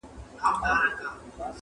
• د هرچا به له سفر څخه زړه شین وو -